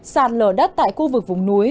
sạt lở đất tại khu vực vùng núi